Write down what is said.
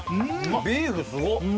ビーフすごっ。